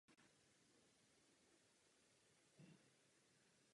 Tyto události znamenaly také konec jeho veřejné státní služby.